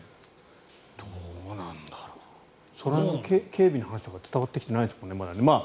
警備の話とか伝わってきてないですもんね。